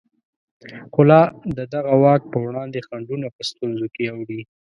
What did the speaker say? خو لا د دغه واک په وړاندې خنډونه په ستونزو کې اوړي.